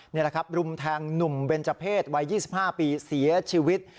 นี่แหละครับรุมแทงหนุ่มเบนเจอร์เพศวัย๒๕ปีเสียชีวิต